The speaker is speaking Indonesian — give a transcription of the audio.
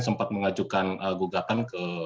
sempat mengajukan gugatan